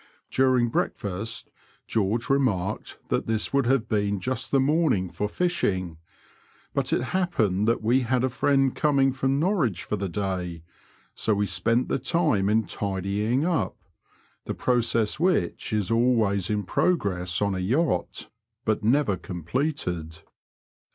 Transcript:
During breakfast George remarked that this would have been just the morning for fishing ; but it happened that we had a Mend coming from Norwich for the day, so we spent the time in tidying up— the process which is always in progress on a yachtj but never completed.